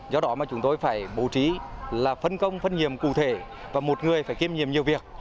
do đó mà chúng tôi phải bố trí là phân công phân nhiệm cụ thể và một người phải kiêm nhiệm nhiều việc